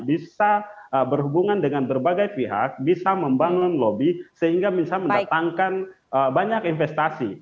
bisa berhubungan dengan berbagai pihak bisa membangun lobby sehingga bisa mendatangkan banyak investasi